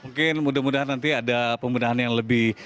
mungkin mudah mudahan nanti ada pemudahan yang lebih